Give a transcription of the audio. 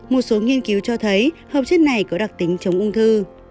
một số nghiên cứu cho thấy hợp chất này có đặc tính chống ung thư